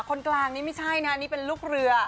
คนกลางนี่ไม่ใช่นะนี่เป็นลูกเรือ